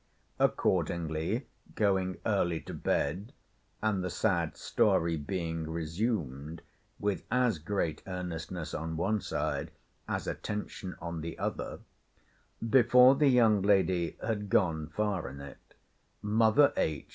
Accordingly, going early to bed, and the sad story being resumed, with as great earnestness on one side as attention on the other, before the young lady had gone far in it, mother H.